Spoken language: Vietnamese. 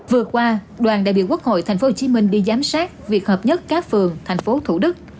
vừa qua đoàn đại biểu quốc hội thành phố hồ chí minh đi giám sát việc hợp nhất các phường thành phố thủ đức